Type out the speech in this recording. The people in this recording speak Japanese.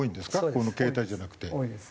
この携帯じゃなくて。多いです。